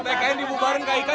tidak ada keretakan